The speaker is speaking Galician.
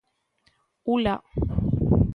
U-la?